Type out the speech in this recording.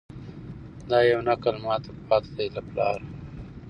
دا یو نکل ماته پاته دی له پلاره